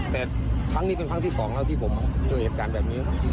แต่ครั้งนี้เป็นครั้งที่สองแล้วที่ผมเจอเหตุการณ์แบบนี้